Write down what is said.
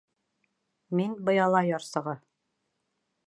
— Мин Быяла ярсығы.